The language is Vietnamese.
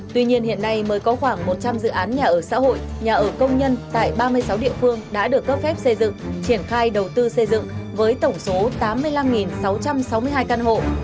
tuy nhiên hiện nay mới có khoảng một trăm linh dự án nhà ở xã hội nhà ở công nhân tại ba mươi sáu địa phương đã được cấp phép xây dựng triển khai đầu tư xây dựng với tổng số tám mươi năm sáu trăm sáu mươi hai căn hộ